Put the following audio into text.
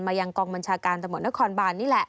ยังกองบัญชาการตำรวจนครบานนี่แหละ